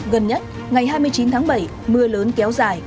gần nhất ngày hai mươi chín tháng bảy mưa lớn kéo dài